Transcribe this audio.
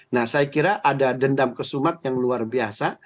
nah saya kira ada dendam kesumat yang luar biasa